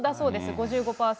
５５％。